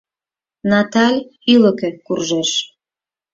Наталь ӱлыкӧ куржеш.